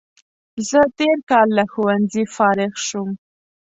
زه تېر کال له ښوونځي فارغ شوم